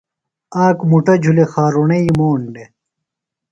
آک مُٹہ جُھلیۡ خارُرݨئی موݨ دےۡ۔